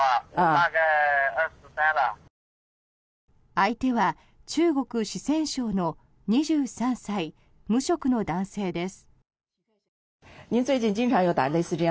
相手は中国・四川省の２３歳無職の男性です。